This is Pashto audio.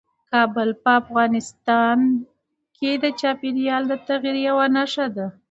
کابل په افغانستان کې د چاپېریال د تغیر یوه نښه ده.